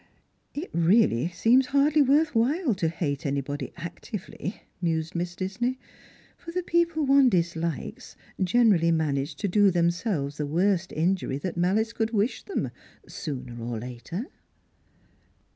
" It really seems hardh^ wortli while to hate anybody actively," mused Miss Disney, " for the people one dislikes generally manage to do themselves the worst injury tliat malice could wish them, sooner or later."